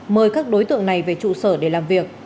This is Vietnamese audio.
mời các đối tượng này về trụ sở để làm việc